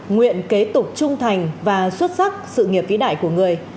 nguyện kế tục trung thành và xuất sắc sự nghiệp vĩ đại của người